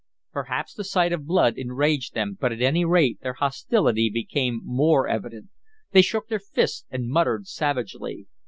Perhaps the sight of blood enraged them; but at any rate, their hostility became more evident. They shook their fists and muttered savagely.